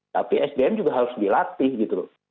tapi sdm juga harus dilatih gitu loh